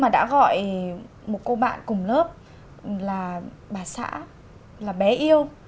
đã gọi một cô bạn cùng lớp là bà xã là bé yêu